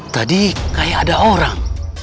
tadi kayak ada orang